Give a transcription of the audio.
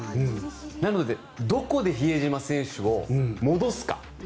なのでどこで比江島選手を戻すか。